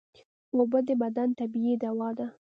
اوبه د بدن طبیعي دوا ده